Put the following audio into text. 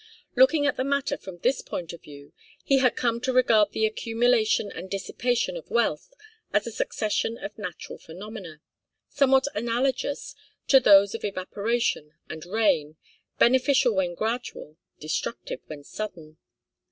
Looking at the matter from this point of view, he had come to regard the accumulation and dissipation of wealth as a succession of natural phenomena, somewhat analogous to those of evaporation and rain, beneficial when gradual, destructive when sudden.